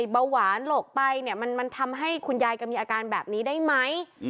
เบาหวานโรคไตเนี่ยมันทำให้คุณยายแกมีอาการแบบนี้ได้ไหม